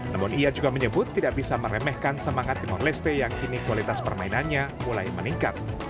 namun ia juga menyebut tidak bisa meremehkan semangat timor leste yang kini kualitas permainannya mulai meningkat